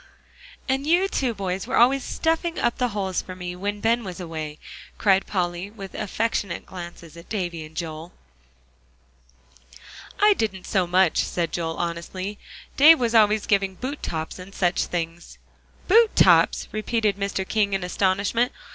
"And you two boys were always stuffing up the holes for me, when Ben was away," cried Polly, with affectionate glances at Davie and Joel. "I didn't so much," said Joel honestly, "Dave was always giving boot tops and such things." "Boot tops!" repeated Mr. King in astonishment.